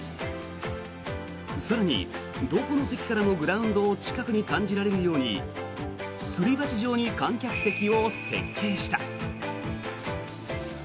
更にどこの席からもグラウンドを近くに感じられるようにすり鉢状に観客席を設計した。